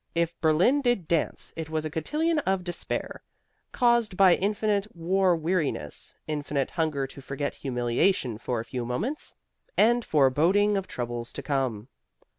If Berlin did dance it was a cotillon of despair, caused by infinite war weariness, infinite hunger to forget humiliation for a few moments, and foreboding of troubles to come.